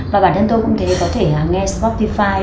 và bản thân tôi cũng thấy có thể nghe spotify